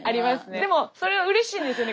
でもそれがうれしいんですよね